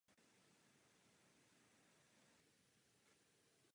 Obcí prochází Dunajská cyklostezka.